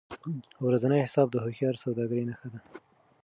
ورځنی حساب د هوښیار سوداګر نښه ده.